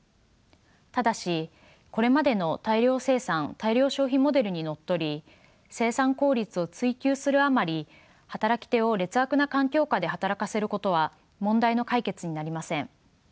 ただしこれまでの大量生産・大量消費モデルにのっとり生産効率を追求するあまり働き手を劣悪な環境下で働かせることは問題の解決になりません。